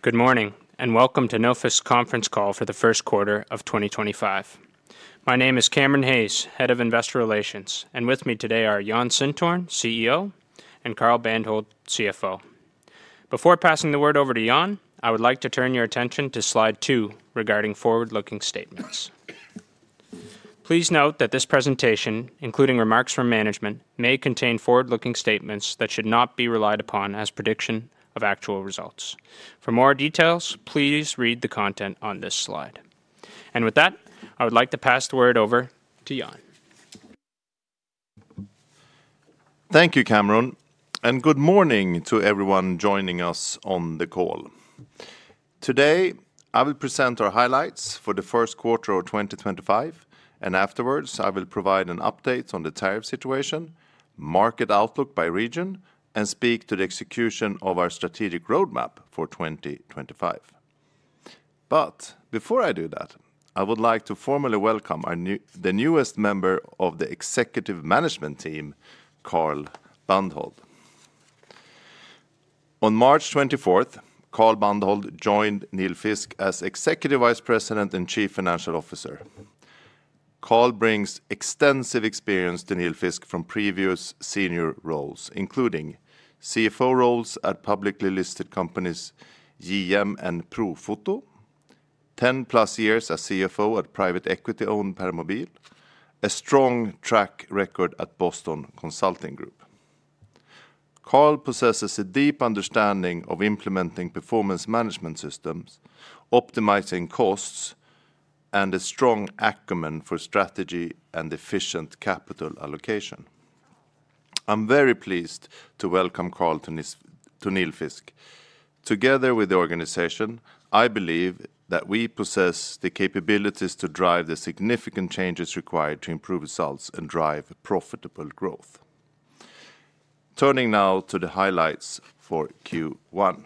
Good morning, and welcome to Nilfisk conference call for the first quarter of 2025. My name is Cameron Hayes, Head of Investor Relations, and with me today are Jon Sintorn, CEO, and Carl Bandhold, CFO. Before passing the word over to Jon, I would like to turn your attention to slide two regarding forward-looking statements. Please note that this presentation, including remarks from management, may contain forward-looking statements that should not be relied upon as prediction of actual results. For more details, please read the content on this slide. With that, I would like to pass the word over to Jon. Thank you, Cameron, and good morning to everyone joining us on the call. Today, I will present our highlights for the first quarter of 2025, and afterwards, I will provide an update on the tariff situation, market outlook by region, and speak to the execution of our strategic roadmap for 2025. Before I do that, I would like to formally welcome the newest member of the executive management team, Carl Bandhold. On March 24th, Carl Bandhold joined Nilfisk as Executive Vice President and Chief Financial Officer. Carl brings extensive experience to Nilfisk from previous senior roles, including CFO roles at publicly listed companies General Motors and Profoto, 10-plus years as CFO at private equity-owned Permobil, and a strong track record at Boston Consulting Group. Carl possesses a deep understanding of implementing performance management systems, optimizing costs, and a strong acumen for strategy and efficient capital allocation. I'm very pleased to welcome Carl to Nilfisk. Together with the organization, I believe that we possess the capabilities to drive the significant changes required to improve results and drive profitable growth. Turning now to the highlights for Q1.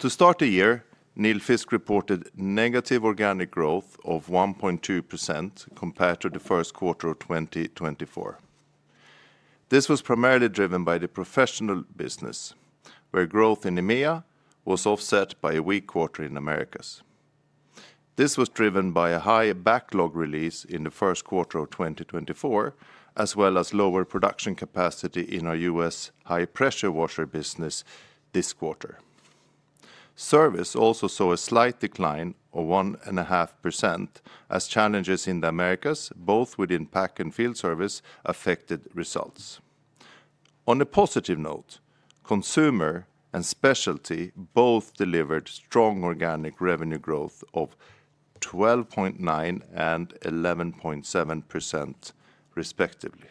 To start the year, Nilfisk reported negative organic growth of 1.2% compared to the first quarter of 2024. This was primarily driven by the professional business, where growth in EMEA was offset by a weak quarter in the Americas. This was driven by a high backlog release in the first quarter of 2024, as well as lower production capacity in our U.S. high-pressure water business this quarter. Service also saw a slight decline, or 1.5%, as challenges in the Americas, both within pack and field service, affected results. On a positive note, consumer and specialty both delivered strong organic revenue growth of 12.9% and 11.7%, respectively.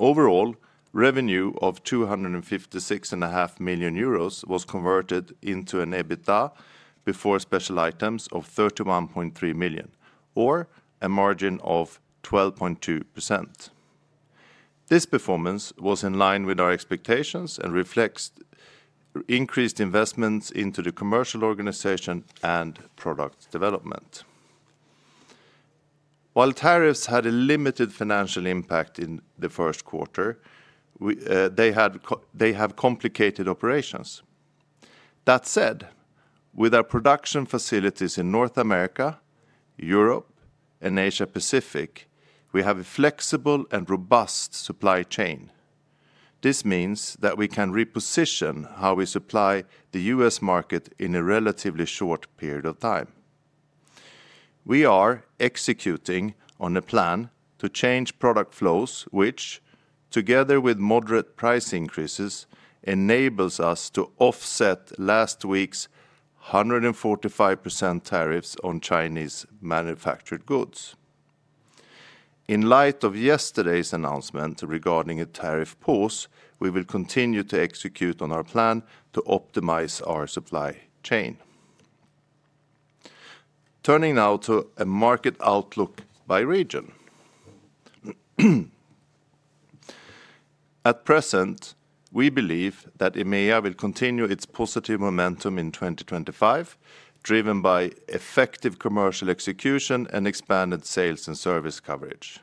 Overall, revenue of 256.5 million euros was converted into EBITDA before special items of 31.3 million, or a margin of 12.2%. This performance was in line with our expectations and reflects increased investments into the commercial organization and product development. While tariffs had a limited financial impact in the first quarter, they have complicated operations. That said, with our production facilities in North America, Europe, and Asia-Pacific, we have a flexible and robust supply chain. This means that we can reposition how we supply the U.S. market in a relatively short period of time. We are executing on a plan to change product flows, which, together with moderate price increases, enables us to offset last week's 145% tariffs on Chinese manufactured goods. In light of yesterday's announcement regarding a tariff pause, we will continue to execute on our plan to optimize our supply chain. Turning now to a market outlook by region. At present, we believe that EMEA will continue its positive momentum in 2025, driven by effective commercial execution and expanded sales and service coverage.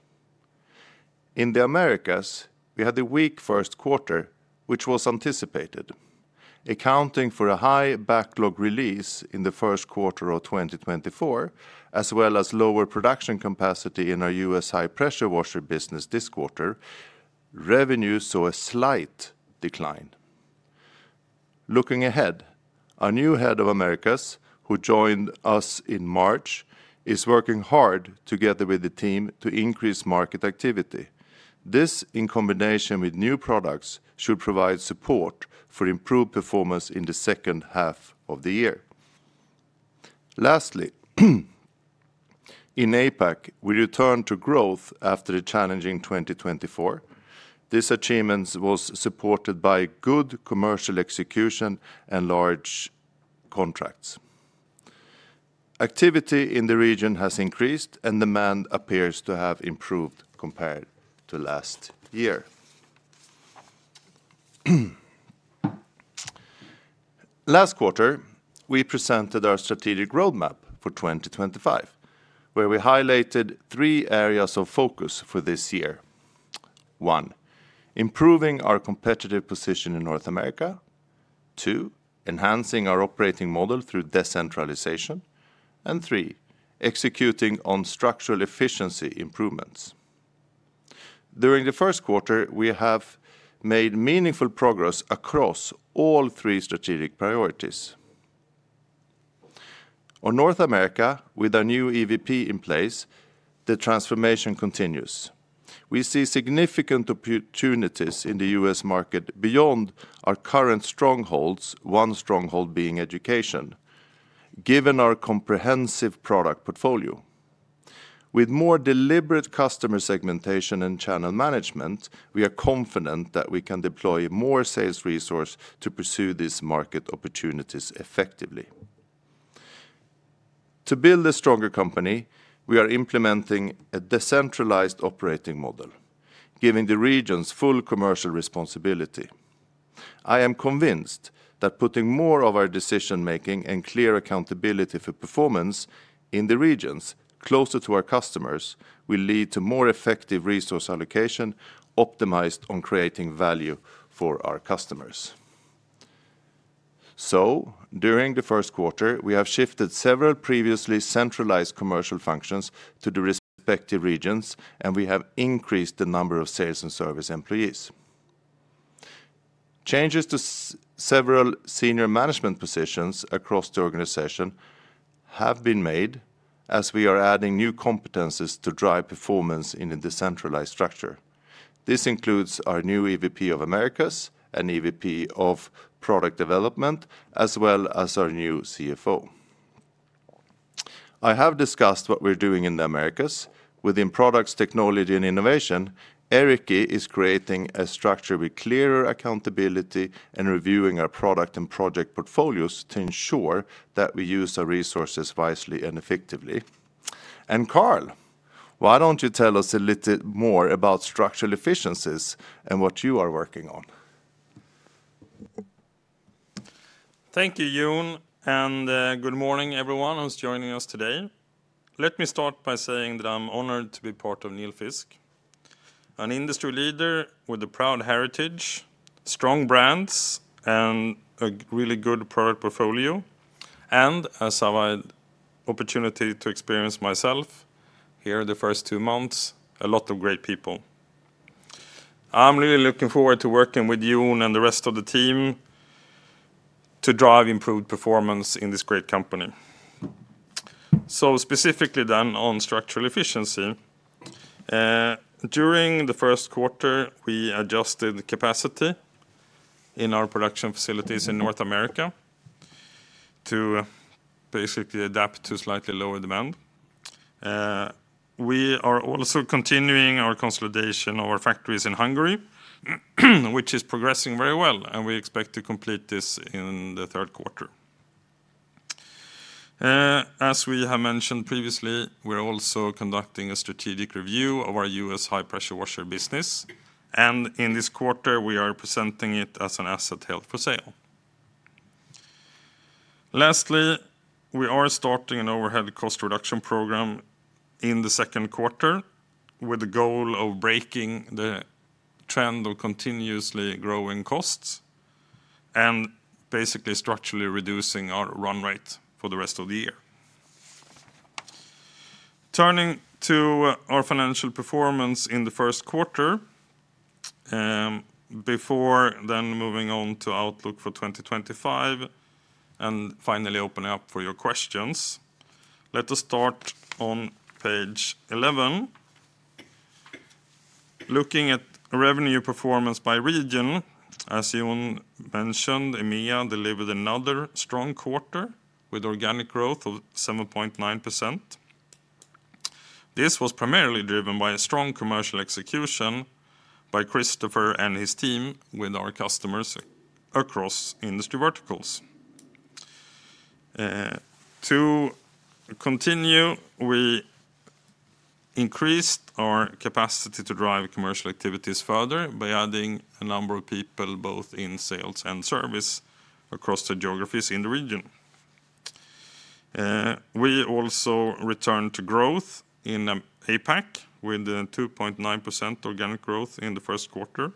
In the Americas, we had a weak first quarter, which was anticipated, accounting for a high backlog release in the first quarter of 2024, as well as lower production capacity in our U.S. high-pressure water business this quarter. Revenues saw a slight decline. Looking ahead, our new head of Americas, who joined us in March, is working hard together with the team to increase market activity. This, in combination with new products, should provide support for improved performance in the second half of the year. Lastly, in APAC, we returned to growth after a challenging 2024. This achievement was supported by good commercial execution and large contracts. Activity in the region has increased, and demand appears to have improved compared to last year. Last quarter, we presented our strategic roadmap for 2025, where we highlighted three areas of focus for this year. One, improving our competitive position in North America. Two, enhancing our operating model through decentralization. Three, executing on structural efficiency improvements. During the first quarter, we have made meaningful progress across all three strategic priorities. On North America, with our new EVP in place, the transformation continues. We see significant opportunities in the U.S. market beyond our current strongholds, one stronghold being education, given our comprehensive product portfolio. With more deliberate customer segmentation and channel management, we are confident that we can deploy more sales resources to pursue these market opportunities effectively. To build a stronger company, we are implementing a decentralized operating model, giving the regions full commercial responsibility. I am convinced that putting more of our decision-making and clear accountability for performance in the regions closer to our customers will lead to more effective resource allocation optimized on creating value for our customers. During the first quarter, we have shifted several previously centralized commercial functions to the respective regions, and we have increased the number of sales and service employees. Changes to several senior management positions across the organization have been made, as we are adding new competencies to drive performance in the decentralized structure. This includes our new EVP of Americas, an EVP of product development, as well as our new CFO. I have discussed what we're doing in the Americas. Within products, technology, and innovation, Erikki is creating a structure with clearer accountability and reviewing our product and project portfolios to ensure that we use our resources wisely and effectively. Carl, why don't you tell us a little more about structural efficiencies and what you are working on? Thank you, Jon, and good morning, everyone who's joining us today. Let me start by saying that I'm honored to be part of Nilfisk, an industry leader with a proud heritage, strong brands, and a really good product portfolio. As I've had the opportunity to experience myself here the first two months, a lot of great people. I'm really looking forward to working with Jon and the rest of the team to drive improved performance in this great company. Specifically then on structural efficiency, during the first quarter, we adjusted the capacity in our production facilities in North America to basically adapt to slightly lower demand. We are also continuing our consolidation of our factories in Hungary, which is progressing very well, and we expect to complete this in the third quarter. As we have mentioned previously, we're also conducting a strategic review of our U.S. High-pressure water business, and in this quarter, we are presenting it as an asset held for sale. Lastly, we are starting an overhead cost reduction program in the second quarter with the goal of breaking the trend of continuously growing costs and basically structurally reducing our run rate for the rest of the year. Turning to our financial performance in the first quarter, before then moving on to outlook for 2025 and finally opening up for your questions, let us start on page 11. Looking at revenue performance by region, as Jon mentioned, EMEA delivered another strong quarter with organic growth of 7.9%. This was primarily driven by a strong commercial execution by Christopher and his team with our customers across industry verticals. To continue, we increased our capacity to drive commercial activities further by adding a number of people both in sales and service across the geographies in the region. We also returned to growth in APAC with 2.9% organic growth in the first quarter,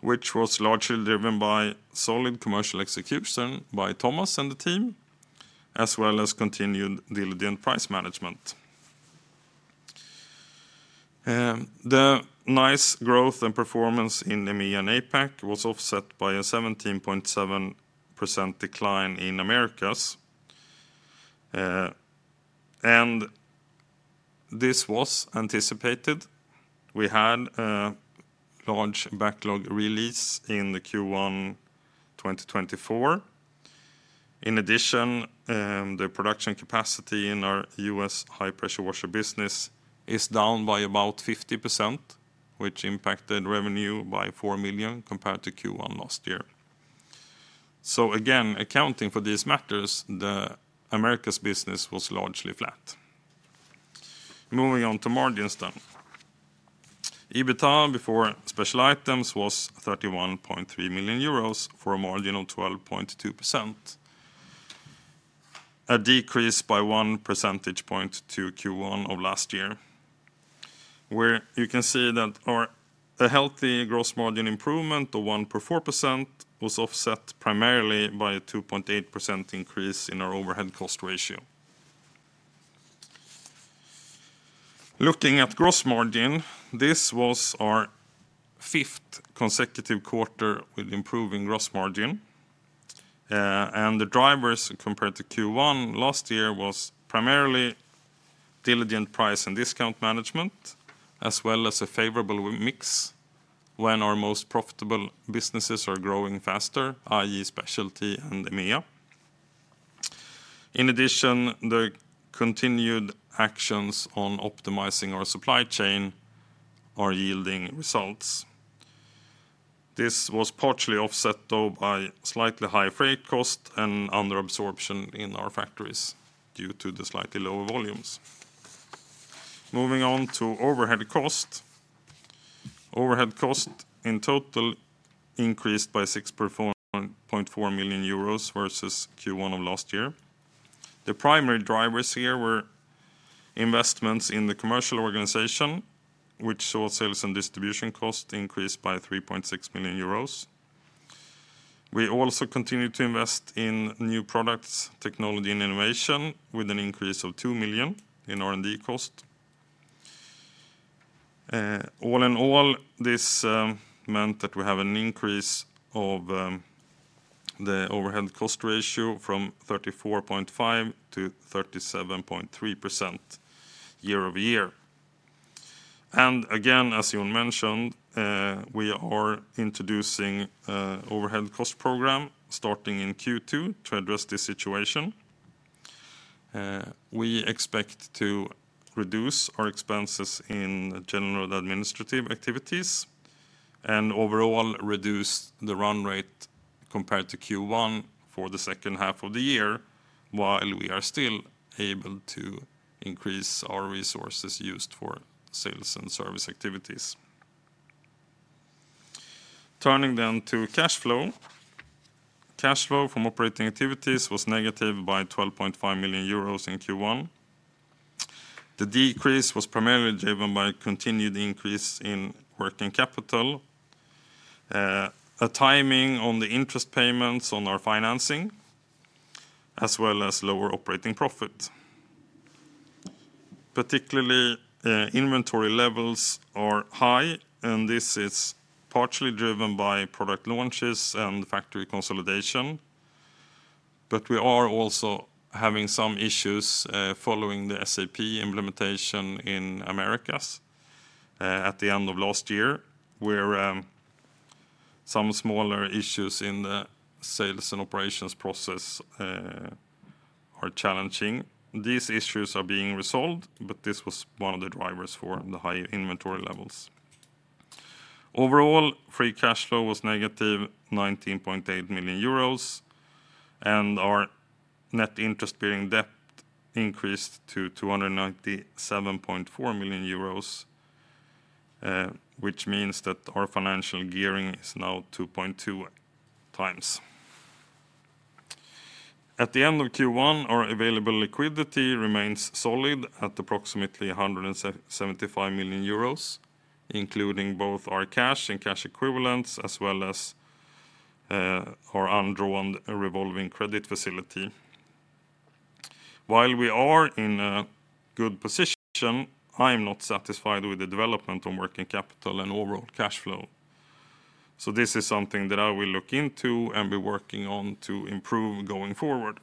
which was largely driven by solid commercial execution by Thomas and the team, as well as continued diligent price management. The nice growth and performance in EMEA and APAC was offset by a 17.7% decline in Americas. This was anticipated. We had a large backlog release in Q1 2024. In addition, the production capacity in our U.S. high-pressure water business is down by about 50%, which impacted revenue by 4 million compared to Q1 last year. Again, accounting for these matters, the Americas business was largely flat. Moving on to margins then. EBITDA before special items was 31.3 million euros for a margin of 12.2%, a decrease by 1 percentage point to Q1 of last year, where you can see that our healthy gross margin improvement of 1.4% was offset primarily by a 2.8% increase in our overhead cost ratio. Looking at gross margin, this was our fifth consecutive quarter with improving gross margin. The drivers compared to Q1 last year were primarily diligent price and discount management, as well as a favorable mix when our most profitable businesses are growing faster, i.e., specialty and EMEA. In addition, the continued actions on optimizing our supply chain are yielding results. This was partially offset, though, by slightly high freight cost and underabsorption in our factories due to the slightly lower volumes. Moving on to overhead cost. Overhead cost in total increased by 6.4 million euros versus Q1 of last year. The primary drivers here were investments in the commercial organization, which saw sales and distribution cost increase by 3.6 million euros. We also continued to invest in new products, technology, and innovation with an increase of 2 million in R&D cost. All in all, this meant that we have an increase of the overhead cost ratio from 34.5% to 37.3% year-over-year. As Jon mentioned, we are introducing an overhead cost program starting in Q2 to address this situation. We expect to reduce our expenses in general administrative activities and overall reduce the run rate compared to Q1 for the second half of the year, while we are still able to increase our resources used for sales and service activities. Turning then to cash flow. Cash flow from operating activities was negative by 12.5 million euros in Q1. The decrease was primarily driven by continued increase in working capital, a timing on the interest payments on our financing, as well as lower operating profit. Particularly, inventory levels are high, and this is partially driven by product launches and factory consolidation. We are also having some issues following the SAP implementation in the Americas at the end of last year, where some smaller issues in the sales and operations process are challenging. These issues are being resolved, but this was one of the drivers for the high inventory levels. Overall, free cash flow was negative 19.8 million euros, and our net interest-bearing debt increased to 297.4 million euros, which means that our financial gearing is now 2.2 times. At the end of Q1, our available liquidity remains solid at approximately 175 million euros, including both our cash and cash equivalents, as well as our undrawn revolving credit facility. While we are in a good position, I'm not satisfied with the development on working capital and overall cash flow. This is something that I will look into and be working on to improve going forward.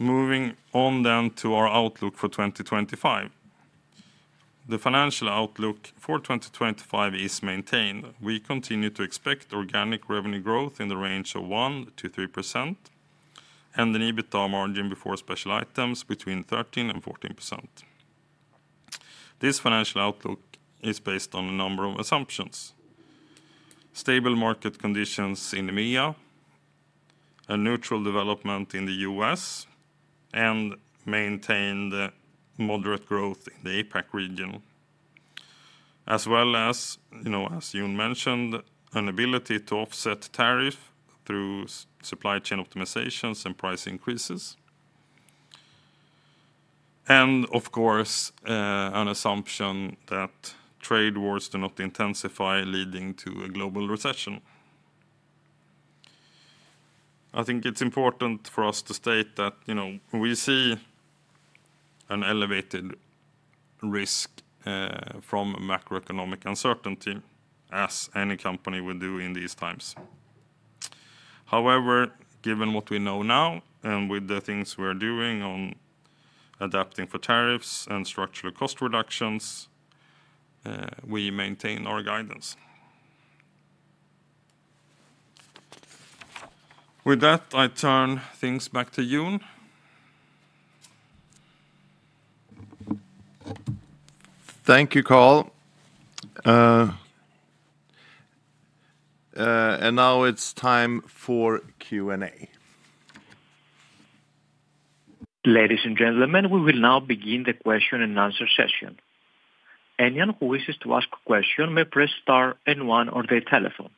Moving on then to our outlook for 2025. The financial outlook for 2025 is maintained. We continue to expect organic revenue growth in the range of 1%-3% and an EBITDA margin before special items between 13%-14%. This financial outlook is based on a number of assumptions: stable market conditions in EMEA, a neutral development in the U.S., and maintained moderate growth in the APAC region, as well as, as Jon mentioned, an ability to offset tariffs through supply chain optimizations and price increases. Of course, an assumption that trade wars do not intensify, leading to a global recession. I think it's important for us to state that we see an elevated risk from macroeconomic uncertainty, as any company will do in these times. However, given what we know now and with the things we're doing on adapting for tariffs and structural cost reductions, we maintain our guidance. With that, I turn things back to Jon. Thank you, Carl. Now it's time for Q&A. Ladies and gentlemen, we will now begin the Q&A session. Anyone who wishes to ask a question may press star and one on their telephone.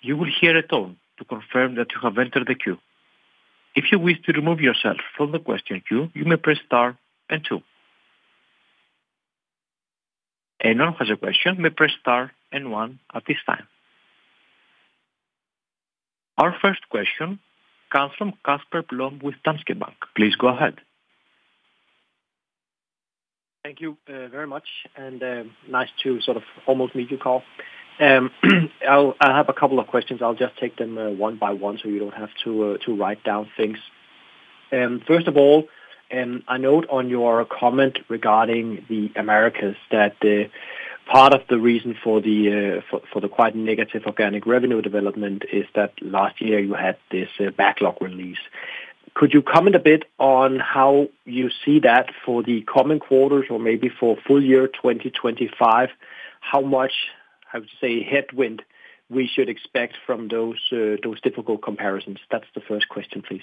You will hear a tone to confirm that you have entered the queue. If you wish to remove yourself from the question queue, you may press star and two. Anyone who has a question may press star and one at this time. Our first question comes from Casper Blom with Danske Bank. Please go ahead. Thank you very much, and nice to sort of almost meet you, Carl. I have a couple of questions. I'll just take them one by one so you don't have to write down things. First of all, I note on your comment regarding the Americas that part of the reason for the quite negative organic revenue development is that last year you had this backlog release. Could you comment a bit on how you see that for the coming quarters or maybe for full year 2025? How much, I would say, headwind we should expect from those difficult comparisons? That's the first question, please.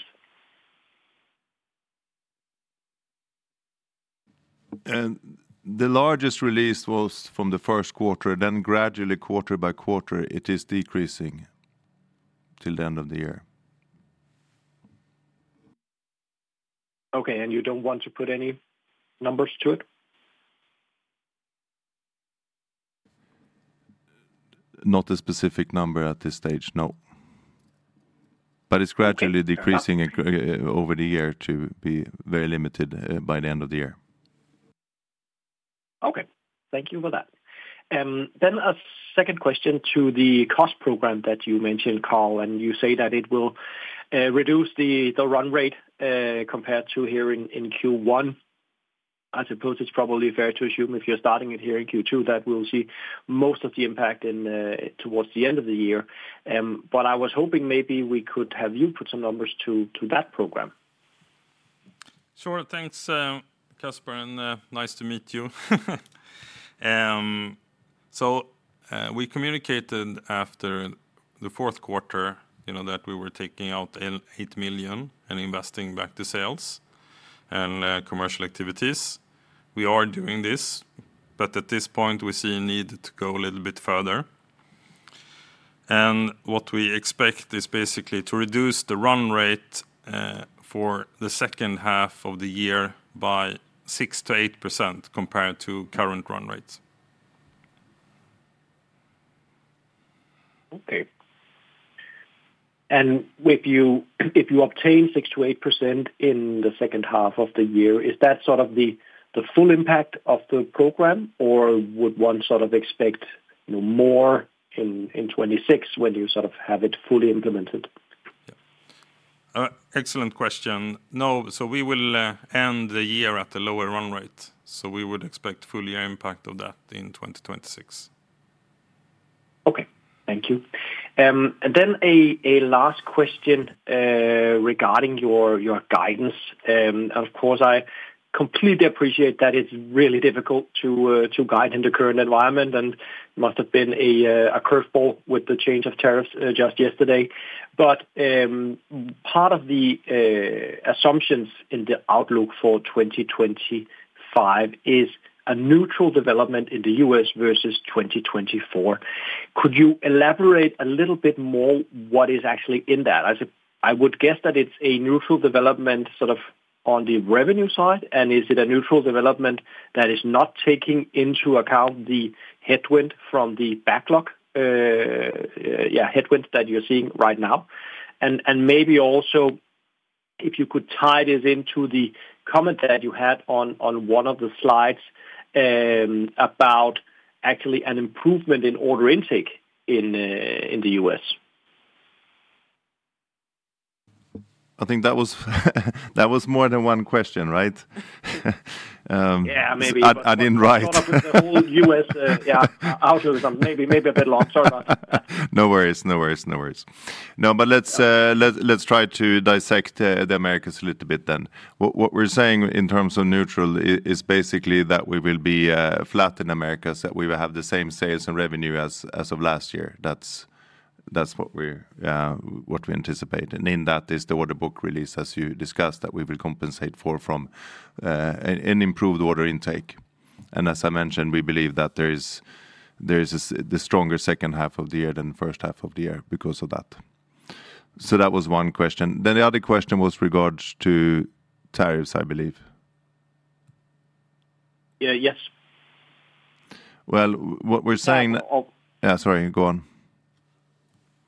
The largest release was from the first quarter, then gradually quarter by quarter it is decreasing till the end of the year. Okay, and you don't want to put any numbers to it? Not a specific number at this stage, no. It is gradually decreasing over the year to be very limited by the end of the year. Okay, thank you for that. Then a second question to the cost program that you mentioned, Carl, and you say that it will reduce the run rate compared to here in Q1. I suppose it's probably fair to assume if you're starting it here in Q2 that we'll see most of the impact towards the end of the year. I was hoping maybe we could have you put some numbers to that program. Sure, thanks, Casper, and nice to meet you. We communicated after the fourth quarter that we were taking out 8 million and investing back to sales and commercial activities. We are doing this, but at this point, we see a need to go a little bit further. What we expect is basically to reduce the run rate for the second half of the year by 6%-8% compared to current run rates. Okay. If you obtain 6%-8% in the second half of the year, is that sort of the full impact of the program, or would one sort of expect more in 2026 when you sort of have it fully implemented? Excellent question. No, we will end the year at a lower run rate. We would expect full year impact of that in 2026. Okay, thank you. Then a last question regarding your guidance. Of course, I completely appreciate that it's really difficult to guide in the current environment, and it must have been a curveball with the change of tariffs just yesterday. Part of the assumptions in the outlook for 2025 is a neutral development in the U.S. versus 2024. Could you elaborate a little bit more what is actually in that? I would guess that it's a neutral development sort of on the revenue side, and is it a neutral development that is not taking into account the headwind from the backlog, yeah, headwinds that you're seeing right now? Maybe also if you could tie this into the comment that you had on one of the slides about actually an improvement in order intake in the U.S.? I think that was more than one question, right? Yeah, maybe. I didn't write. All the U.S. outlook is maybe a bit long. Sorry. No worries, no worries. No, but let's try to dissect the Americas a little bit then. What we're saying in terms of neutral is basically that we will be flat in Americas, that we will have the same sales and revenue as of last year. That's what we anticipate. And in that is the order book release, as you discussed, that we will compensate for from an improved order intake. As I mentioned, we believe that there is the stronger second half of the year than the first half of the year because of that. That was one question. The other question was regards to tariffs, I believe. Yeah, yes. What we're saying. I'm. Yeah, sorry, go on.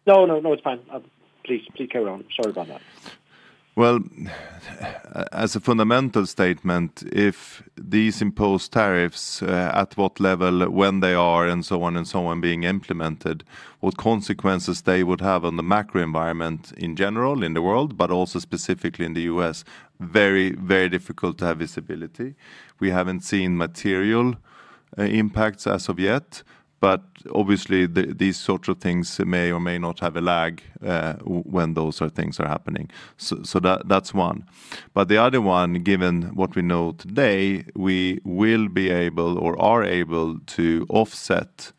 No, no, it's fine. Please carry on. Sorry about that. As a fundamental statement, if these imposed tariffs at what level, when they are, and so on and so on being implemented, what consequences they would have on the macro environment in general, in the world, but also specifically in the U.S., very, very difficult to have visibility. We have not seen material impacts as of yet, but obviously these sorts of things may or may not have a lag when those things are happening. That is one. The other one, given what we know today, we will be able or are able to offset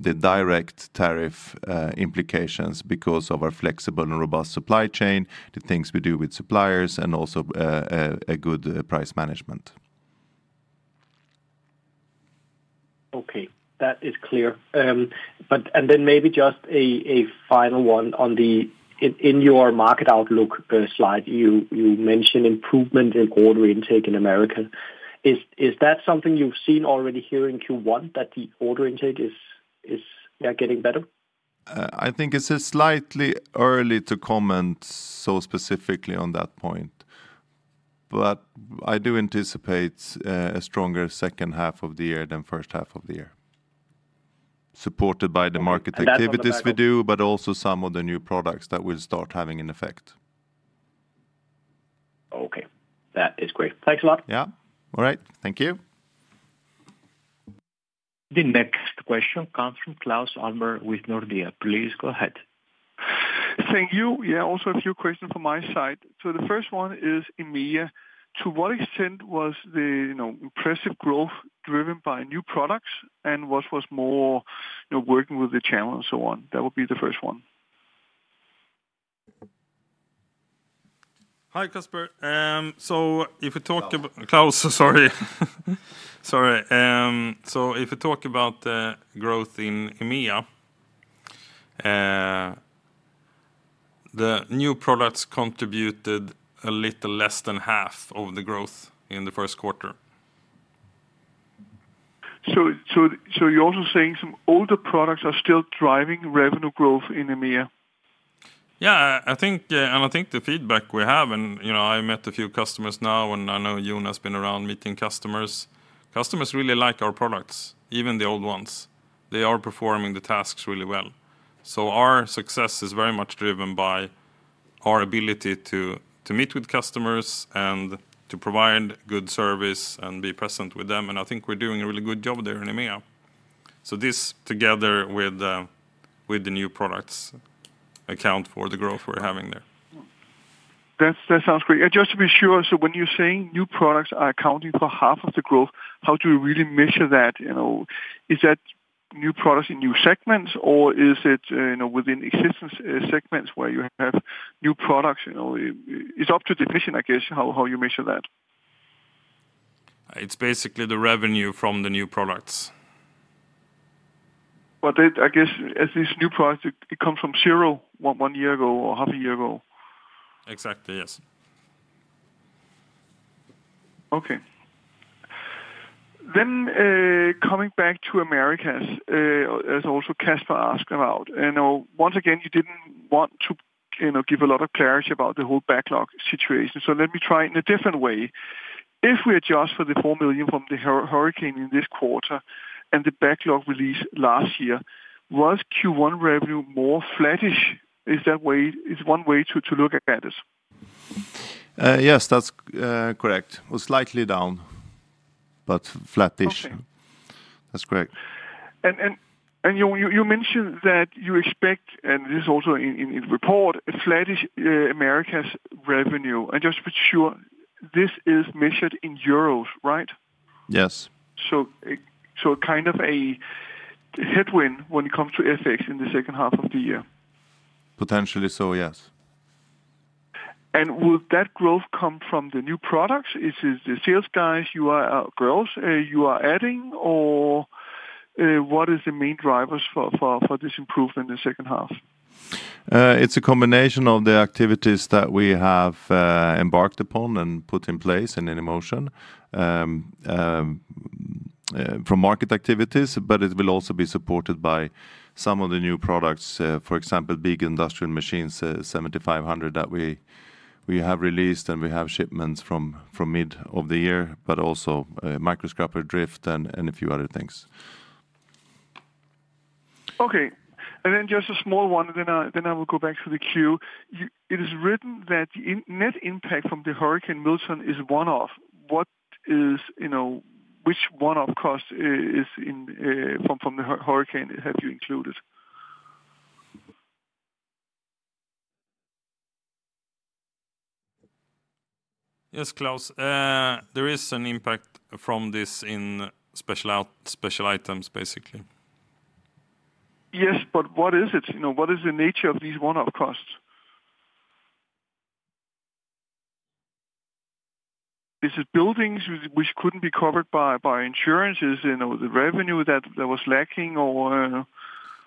the direct tariff implications because of our flexible and robust supply chain, the things we do with suppliers, and also a good price management. Okay, that is clear. Maybe just a final one on the, in your market outlook slide, you mentioned improvement in order intake in Americas. Is that something you've seen already here in Q1, that the order intake is getting better? I think it's slightly early to comment so specifically on that point, but I do anticipate a stronger second half of the year than first half of the year, supported by the market activities we do, but also some of the new products that we'll start having in effect. Okay, that is great. Thanks a lot. Yeah, all right, thank you. The next question comes from Claus Almer with Nordea. Please go ahead. Thank you. Yeah, also a few questions from my side. The first one is, to what extent was the impressive growth driven by new products, and what was more working with the channel and so on? That would be the first one. Hi, Casper. If we talk about Claus, sorry. Sorry. If we talk about the growth in EMEA, the new products contributed a little less than half of the growth in the first quarter. You're also saying some older products are still driving revenue growth in EMEA? Yeah, and I think the feedback we have, and I met a few customers now, and I know Jon has been around meeting customers. Customers really like our products, even the old ones. They are performing the tasks really well. Our success is very much driven by our ability to meet with customers and to provide good service and be present with them. I think we're doing a really good job there in EMEA. This, together with the new products, accounts for the growth we're having there. That sounds great. Just to be sure, when you're saying new products are accounting for half of the growth, how do you really measure that? Is that new products in new segments, or is it within existing segments where you have new products? It's up to the definition, I guess, how you measure that. It's basically the revenue from the new products. I guess, as these new products, it comes from zero one year ago or half a year ago? Exactly, yes. Okay. Then coming back to Americas, as also Casper asked about, once again, you did not want to give a lot of clarity about the whole backlog situation. Let me try in a different way. If we adjust for the 4 million from the hurricane in this quarter and the backlog released last year, was Q1 revenue more flattish? Is that one way to look at it? Yes, that's correct. It was slightly down, but flattish. That's correct. You mentioned that you expect, and this is also in the report, a flattish Americas revenue. Just to be sure, this is measured in euros, right? Yes. Kind of a headwind when it comes to FX in the second half of the year? Potentially so, yes. Will that growth come from the new products? Is it the sales guys, girls you are adding, or what are the main drivers for this improvement in the second half? It's a combination of the activities that we have embarked upon and put in place and in motion from market activities, but it will also be supported by some of the new products, for example, big industrial machines, 7,500 that we have released, and we have shipments from mid of the year, but also microscopic Dryft and a few other things. Okay. And then just a small one, then I will go back to the queue. It is written that the net impact from the Hurricane Milton is one-off. Which one-off cost from the hurricane have you included? Yes, Claus, there is an impact from this in special items, basically. Yes, but what is it? What is the nature of these one-off costs? Is it buildings which could not be covered by insurances? The revenue that was lacking or?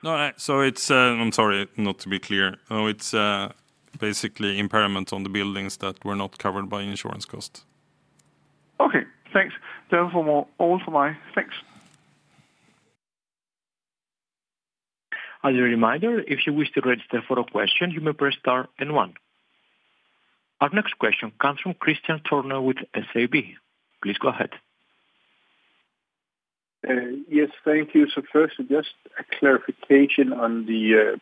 No, so it's—I'm sorry, not to be clear. It's basically impairment on the buildings that were not covered by insurance cost. Okay, thanks. That was all from me. Thanks. As a reminder, if you wish to register for a question, you may press star and one. Our next question comes from Kristian Tornøe with SEB. Please go ahead. Yes, thank you. First, just a clarification on the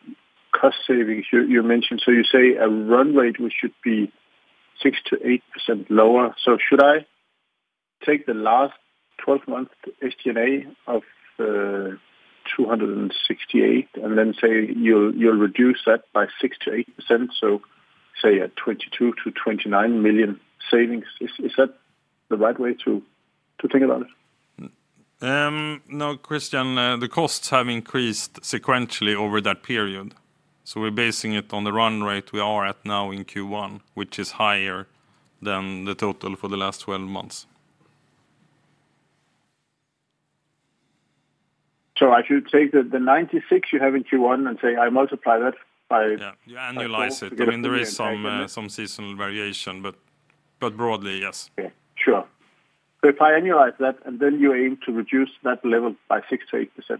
cost savings you mentioned. You say a run rate which should be 6%-8% lower. Should I take the last 12 months' SG&A of 268 million and then say you'll reduce that by 6%-8%, so 22 million-29 million savings? Is that the right way to think about it? No, Kristian, the costs have increased sequentially over that period. So we're basing it on the run rate we are at now in Q1, which is higher than the total for the last 12 months. Should I take the 96 you have in Q1 and say I multiply that by? Yeah, you annualize it. I mean, there is some seasonal variation, but broadly, yes. Okay, sure. So if I annualize that, and then you aim to reduce that level by 6%-8%? Yeah,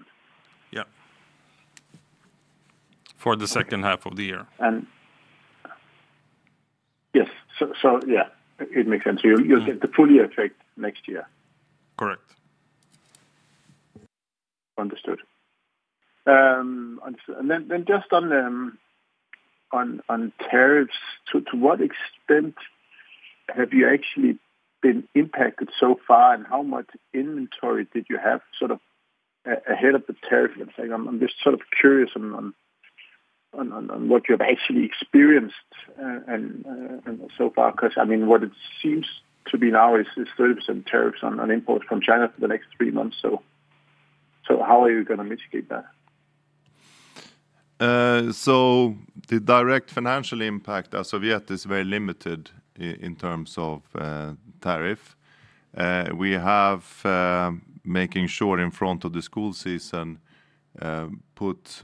for the second half of the year. Yes, so yeah, it makes sense. You'll get the full-year effect next year. Correct. Understood. And then just on tariffs, to what extent have you actually been impacted so far, and how much inventory did you have sort of ahead of the tariff? I'm just sort of curious on what you've actually experienced so far, because I mean, what it seems to be now is 30% tariffs on imports from China for the next three months. How are you going to mitigate that? The direct financial impact as of yet is very limited in terms of tariff. We have, making sure in front of the school season, put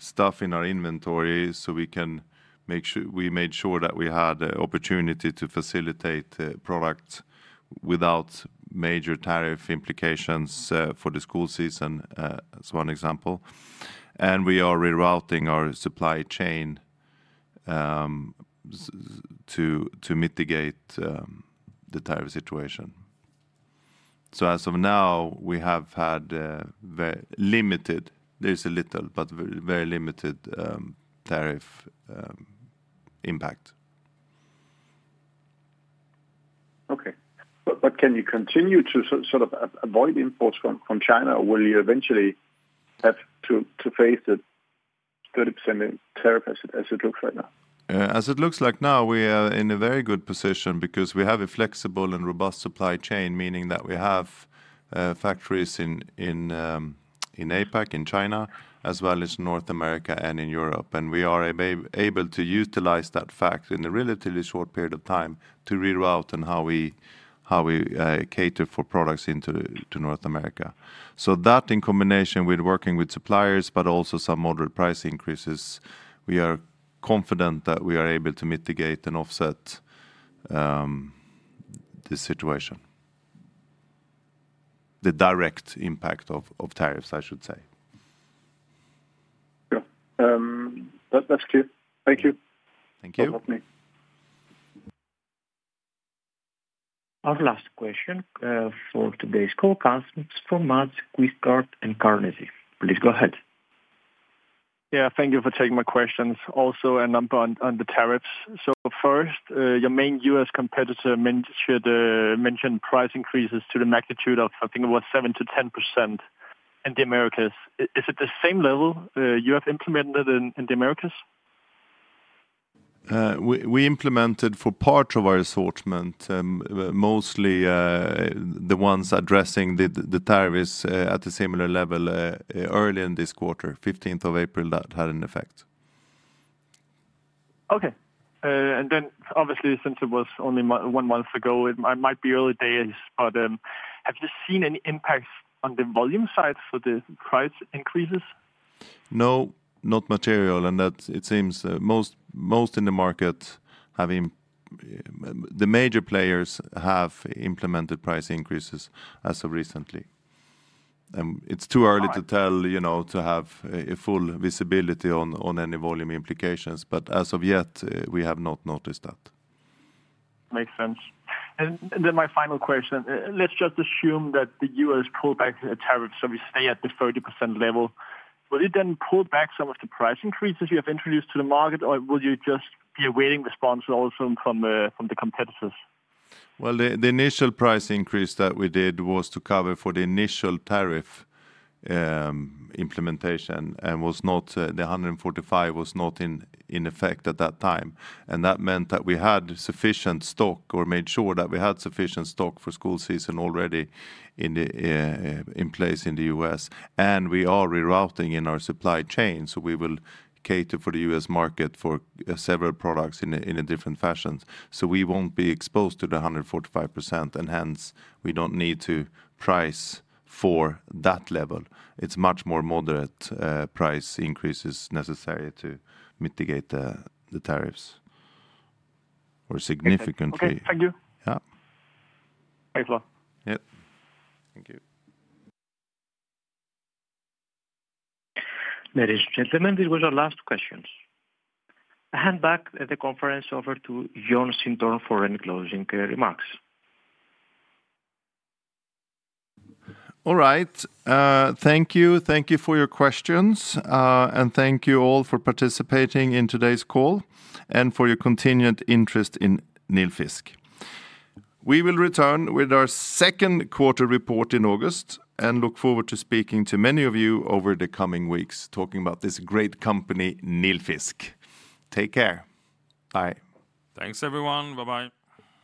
stuff in our inventory so we made sure that we had the opportunity to facilitate products without major tariff implications for the school season, as one example. We are rerouting our supply chain to mitigate the tariff situation. As of now, we have had limited—there is a little, but very limited tariff impact. Okay. Can you continue to sort of avoid imports from China, or will you eventually have to face the 30% tariff as it looks right now? As it looks like now, we are in a very good position because we have a flexible and robust supply chain, meaning that we have factories in APAC, in China, as well as North America and in Europe. We are able to utilize that fact in a relatively short period of time to reroute and how we cater for products into North America. That, in combination with working with suppliers, but also some moderate price increases, we are confident that we are able to mitigate and offset the situation, the direct impact of tariffs, I should say. Yeah, that's clear. Thank you for helping me. Our last question for today's call comes from Mads Quistgaard and Carnegie. Please go ahead. Yeah, thank you for taking my questions. Also, a number on the tariffs. First, your main U.S. competitor mentioned price increases to the magnitude of, I think, it was 7%-10% in the Americas. Is it the same level you have implemented in the Americas? We implemented for part of our assortment, mostly the ones addressing the tariffs at a similar level early in this quarter, 15th of April. That had an effect. Okay. Obviously, since it was only one month ago, it might be early days, but have you seen any impacts on the volume side for the price increases? No, not material. It seems most in the market have—the major players have implemented price increases as of recently. It is too early to tell to have full visibility on any volume implications, but as of yet, we have not noticed that. Makes sense. My final question. Let's just assume that the U.S. pulled back the tariffs, so we stay at the 30% level. Will it then pull back some of the price increases you have introduced to the market, or will you just be awaiting responses also from the competitors? The initial price increase that we did was to cover for the initial tariff implementation, and the 145% was not in effect at that time. That meant that we had sufficient stock or made sure that we had sufficient stock for school season already in place in the U.S. We are rerouting in our supply chain, so we will cater for the U.S. market for several products in different fashions. We will not be exposed to the 145%, and hence, we do not need to price for that level. It is much more moderate price increases necessary to mitigate the tariffs or significantly. Okay, thank you. Yeah. Thanks, Jon. Yeah, thank you. Ladies and gentlemen, these were our last questions. I hand back the conference over to Jon Sintorn for any closing remarks. All right. Thank you. Thank you for your questions, and thank you all for participating in today's call and for your continued interest in Nilfisk. We will return with our second quarter report in August and look forward to speaking to many of you over the coming weeks talking about this great company, Nilfisk. Take care. Bye. Thanks, everyone. Bye-bye.